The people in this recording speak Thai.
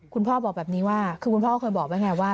พ่อบอกแบบนี้ว่าคือคุณพ่อเคยบอกไว้ไงว่า